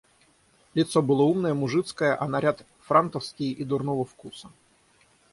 Лицо было умное, мужицкое, а наряд франтовской и дурного вкуса.